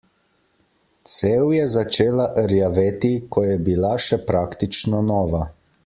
Cev je začela rjaveti, ko je bila še praktično nova.